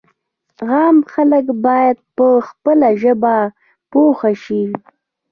عام خلک باید په خپله ژبه پوه شي.